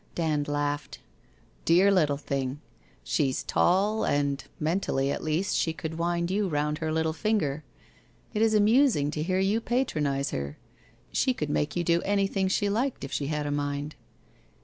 Dand laughed. ' Dear little thing! She's tall, and, mentally, at least, she could wind you round her little finger. It is amusing to hear you patronize her! She could make you do anything she liked if she had a mind.'